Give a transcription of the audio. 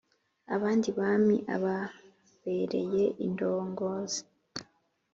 Abandi bami ababereye indongozi”.